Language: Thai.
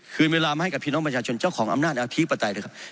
คืนเวลามาให้กับพี่น้องประชาชนเจ้าของอำนาจอธิปไตยด้วยครับ